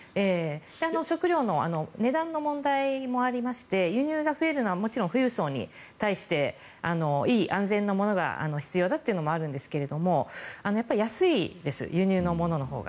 食料の値段の問題もありまして輸入が増えるのはもちろん富裕層に対していい、安全なものが必要だというのもあるんですがやっぱり安いです輸入のもののほうが。